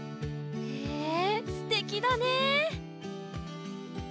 へえすてきだね。